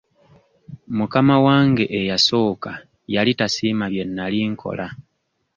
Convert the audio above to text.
Mukama wange eyasooka yali tasiima bye nali nkola.